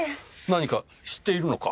何か知っているのか？